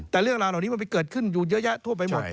แต่เรื่องราวเหล่านี้มันไปเกิดขึ้นอยู่เยอะแยะทั่วไปหมด